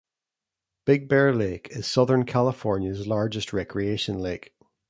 Big Bear Lake is Southern California's largest recreation lake.